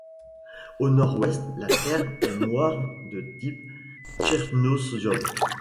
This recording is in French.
Au nord-ouest, la terre est noire de type tchernoziom.